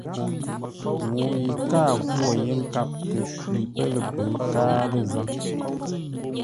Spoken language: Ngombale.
Ŋuu yi káa ghwô yé nkâp kə̂ shwî pə́ lə̂ pʉ̌ʉ káa lə̂ zâŋ.